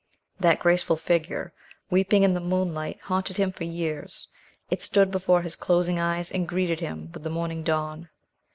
That graceful figure, weeping in the moonlight, haunted him for years. It stood before his closing eyes, and greeted him with the morning dawn.